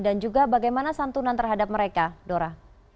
dan juga bagaimana santunan terhadap mereka dora